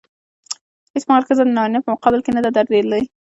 هېڅ مهال ښځه د نارينه په مقابل کې نه ده درېدلې.